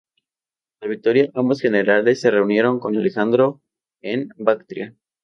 Tras la victoria, ambos generales se reunieron con Alejandro en Bactria.